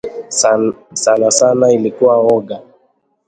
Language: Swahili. Sanasana ilikuwa woga